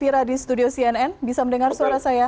pak elvira di studio cnn bisa mendengar suara saya